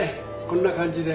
こんな感じで。